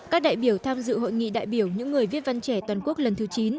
các đại biểu tham dự hội nghị đại biểu những người viết văn trẻ toàn quốc lần thứ chín